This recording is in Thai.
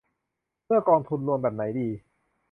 เลือกกองทุนรวมแบบไหนดี